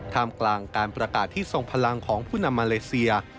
มกลางการประกาศที่ทรงพลังของผู้นำมาเลเซีย